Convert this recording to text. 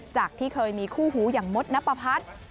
จากที่เคยมีคู่หูอย่างมดนับประพัฒน์